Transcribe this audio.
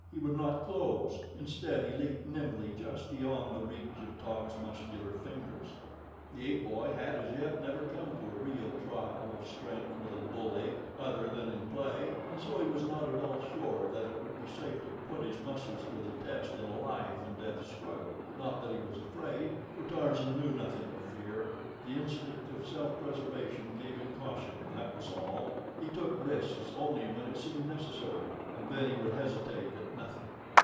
He would not close. Instead, he leaped nimbly just beyond the reach of Taug's muscular fingers. The ape boy had as yet never come to a real trial of strength with a bull ape, other than in play, and so he was not at all sure that it would be safe to put his muscles to the test in a life and death struggle. Not that he was afraid, for Tarzan knew nothing of fear. The instinct of self preservation gave him caution that was all. He took risks only when it seemed necessary, and then he would hesitate at nothing.